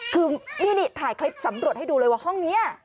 คือนี่ถ่ายคลิปสำรวจให้ดูเลยว่าห้องนี้